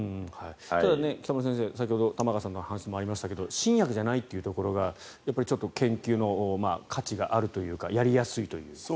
ただ北村先生、先ほど玉川さんの話にもありましたが新薬じゃないっていうところがちょっと研究の価値があるというかやりやすいという。